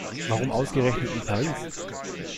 Warum ausgerechnet in Paris?